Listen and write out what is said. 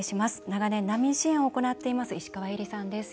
長年、難民支援を行っています